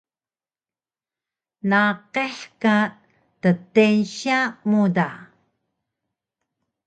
naqih ka ddeynsya mu da